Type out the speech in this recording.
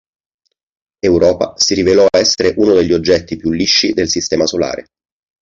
Europa si rivelò essere uno degli oggetti più "lisci" del Sistema solare.